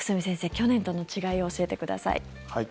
去年との違いを教えてください。